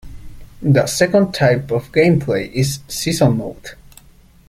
The second type of gameplay is season mode.